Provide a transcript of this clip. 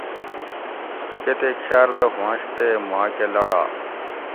کۤتیک شاردہ ہوونش تے ماکہ لاڑا